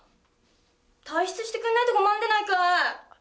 退室してくんないと困んでないか。